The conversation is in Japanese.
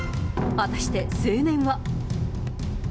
果たして、青年は。